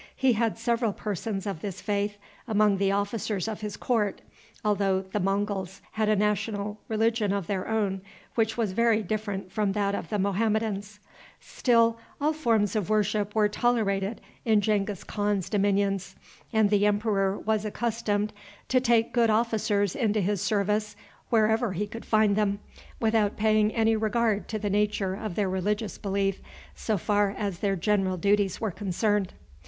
He had several persons of this faith among the officers of his court, although the Monguls had a national religion of their own, which was very different from that of the Mohammedans; still, all forms of worship were tolerated in Genghis Khan's dominions, and the emperor was accustomed to take good officers into his service wherever he could find them, without paying any regard to the nature of their religious belief so far as their general duties were concerned.